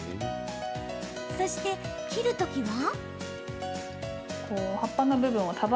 そして、切るときは。